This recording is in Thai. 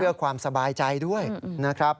เพื่อความสบายใจด้วยนะครับ